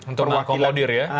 untuk mengakomodir ya